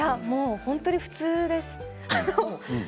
本当に普通です。